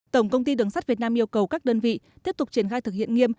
tổng công ty đường sắt việt nam yêu cầu các đơn vị tiếp tục triển khai thực hiện nghiêm